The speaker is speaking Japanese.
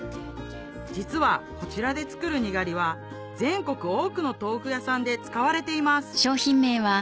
実はこちらで作るにがりは全国多くの豆腐屋さんで使われています